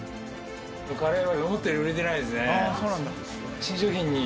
カレーが思ったより売れてないですね。